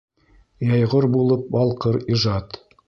ЙӘЙҒОР БУЛЫП БАЛҠЫР ИЖАД